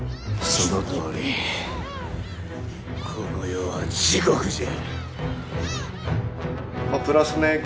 そのとおりこの世は地獄じゃ！